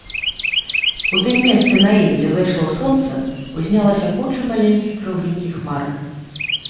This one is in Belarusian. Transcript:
У тым месцы на ім, дзе зайшло сонца, узнялася куча маленькіх кругленькіх хмарак.